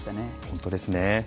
本当ですね。